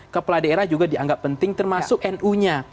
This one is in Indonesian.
kepala daerah juga dianggap penting termasuk nu nya